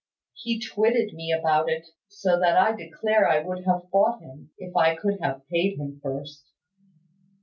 He twitted me about it, so that I declare I would have fought him, if I could have paid him first."